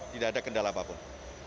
tidak ada kendala apapun